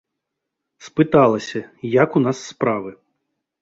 Спыталася, як у нас справы.